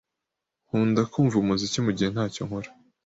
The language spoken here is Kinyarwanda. Nkunda kumva umuziki mugihe ntacyo nkora.